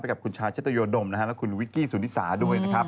ไปกับคุณชายเช็ดตะโยดดมนะฮะแล้วคุณวิกกี้สุดฤษาด้วยนะครับ